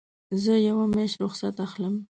زه یوه میاشت رخصت اخلم.